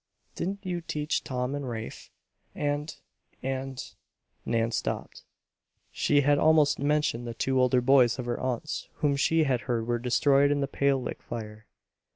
"Didn't you teach Tom and Rafe, and and " Nan stopped. She had almost mentioned the two older boys of her aunt's, whom she had heard were destroyed in the Pale Lick fire.